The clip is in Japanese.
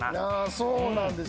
そうなんです。